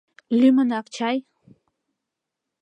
Лӱмынак чай.